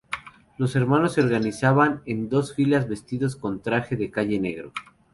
Los hermanos se organizaban en dos filas vestidos con traje de calle negro.